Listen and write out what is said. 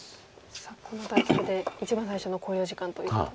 さあこの対局で一番最初の考慮時間ということですが。